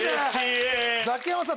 ザキヤマさん